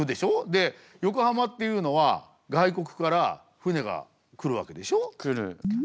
で横浜っていうのは外国から船が来るわけでしょ？来る。